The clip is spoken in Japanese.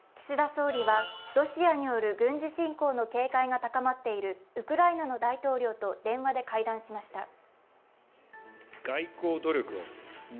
岸田総理はロシアによる軍事侵攻の警戒が高まっているウクライナの大統領と電話で会談しました。